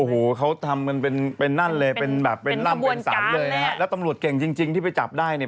โอ้โหเขาทำเป็นนั่นเลยเป็นลำเป็นสำเลยนะฮะแล้วตำรวจเก่งจริงที่ไปจับได้เนี่ย